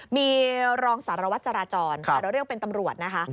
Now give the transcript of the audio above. มีรองสารวัตรจราจรหรือเรียกเป็นตำรวจ